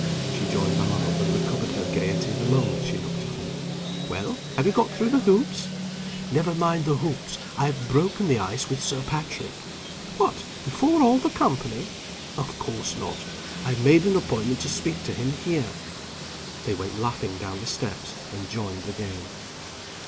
She joined Arnold, and recovered her gayety the moment she looked at him. "Well? Have you got through the hoops?" "Never mind the hoops. I have broken the ice with Sir Patrick." "What! before all the company!" "Of course not! I have made an appointment to speak to him here." They went laughing down the steps, and joined the game.